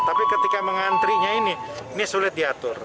tapi ketika mengantrinya ini ini sulit diatur